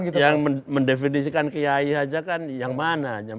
karena yang mendefinisikan kiai aja kan yang mana